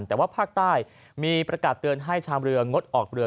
แต่ว่าภาคใต้มีประกาศเตือนให้ชามเรืองดออกเรือ